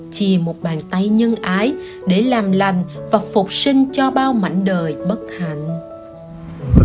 chì một bàn tay nhân ái để làm lành và phục sinh cho bao mảnh đời bất hạnh